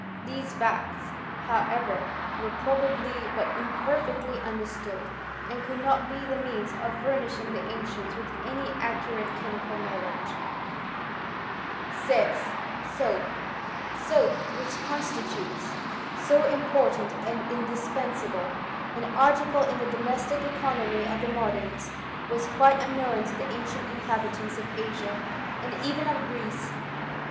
These facts, however, were probably but imperfectly under stood, and could not be the means of furnishing the ancients with any accurate chemical knowledge. • Plinii Hist. NM. xwr.; H. 04 BISTO&T OF CHEHISTftT. VI. — SOAP. Soap, which constitutes so important and indis pensable an article in the domestic economy of the modems, was quite unknown to the ancient inhabitants of Asia, and even of Greece.